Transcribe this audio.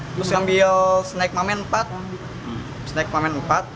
terus ambil snek mamen empat